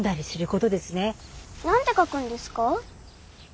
何て書くんですか？